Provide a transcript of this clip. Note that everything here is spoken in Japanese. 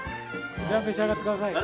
召し上がってください。